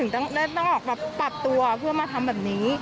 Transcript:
ต้องออกมาปรับตัวเพื่อมาทำแบบนี้